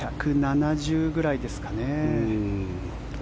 ２７０ぐらいですかね。